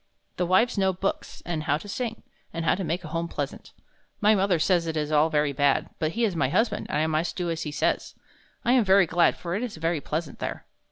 The wives know books, and how to sing, and how to make home pleasant. My mother says it is all very bad, but he is my husband, and I must do as he says. I am very glad; for it is very pleasant there."